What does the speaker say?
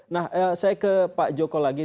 nah saya ke pak joko lagi